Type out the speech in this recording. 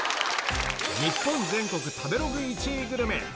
日本全国食べログ１位グルメ。